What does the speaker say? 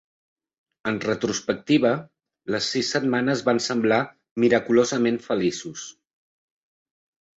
En retrospectiva, les sis setmanes van semblar miraculosament feliços.